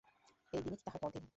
সেই দিনই, কি তাহার পরদিন।